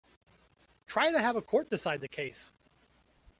Try to have the court decide the case.